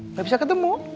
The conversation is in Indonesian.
nggak bisa ketemu